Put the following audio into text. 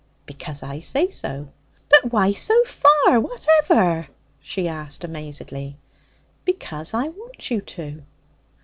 'Because I say so.' 'But why so far, whatever?' she asked amazedly. 'Because I want you to.'